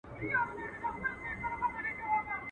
ته جرس په خوب وینه او سر دي ښوروه ورته.